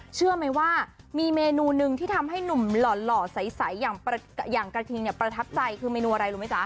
เชื่อไหมว่ามีเมนูหนึ่งที่ทำให้หนุ่มหล่อใสอย่างกระทิงเนี่ยประทับใจคือเมนูอะไรรู้ไหมจ๊ะ